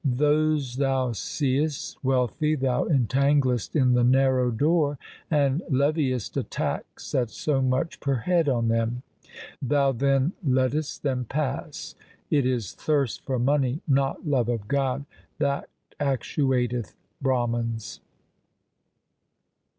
Those thou seest wealthy thou entanglest in the narrow door 1 and leviest a tax at so much per head on them. Thou then lettest them pass. It is thirst for money not love of God that actuateth Brahmans.